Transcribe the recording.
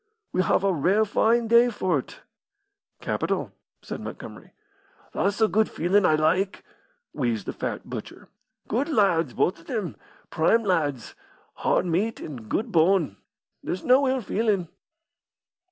"We have a rare fine day for't." "Capital," said Montgomery. "That's the good feelin' I like," wheezed the fat butcher. "Good lads, both of them! prime lads! hard meat an' good bone. There's no ill feelin'."